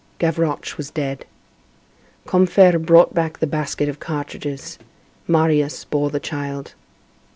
Gavroche was dead. Combeferre brought back the basket of cartridges; Marius bore the child.